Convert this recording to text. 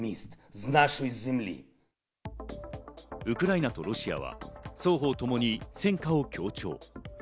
ウクライナとロシアは双方ともに戦果を強調。